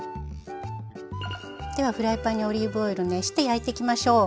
ではフライパンにオリーブオイル熱して焼いてきましょう。